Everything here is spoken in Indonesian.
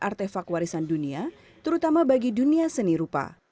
artefak warisan dunia terutama bagi dunia seni rupa